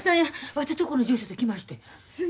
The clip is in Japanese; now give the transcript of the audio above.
わてとこの住所で来ましてん。